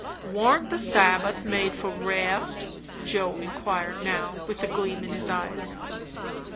"Warn't the Sabbath made for rest?" Joe inquired now, with a gleam in his eyes.